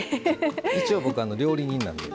一応、僕、料理人なんで。